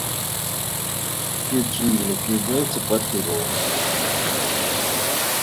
Ke tswile ke boetse kwa tirong.